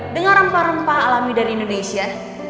dengan rempah rempah alami dari indonesia